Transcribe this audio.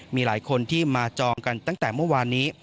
มีหลายคนที่มาจองกันตั้งแต่เมื่อวานนี้